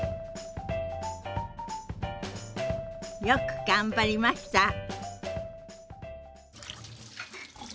よく頑張りました。